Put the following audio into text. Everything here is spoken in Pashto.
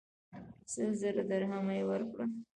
سل زره درهمه یې ورکړل.